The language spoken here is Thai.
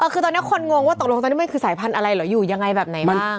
คือตอนนี้คนงงว่าตกลงตอนนี้มันคือสายพันธุ์อะไรเหรออยู่ยังไงแบบไหนบ้าง